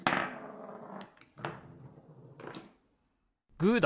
グーだ！